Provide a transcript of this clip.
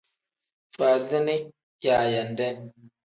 Faadini yaayande.